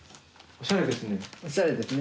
おしゃれですね。